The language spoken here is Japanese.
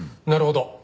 なるほど。